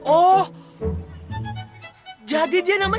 oh jadi dia namanya mercy